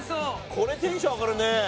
これテンション上がるね。